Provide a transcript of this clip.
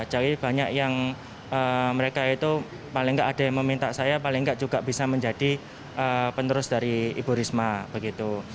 jadi banyak yang mereka itu paling nggak ada yang meminta saya paling nggak juga bisa menjadi penerus dari ibu risma begitu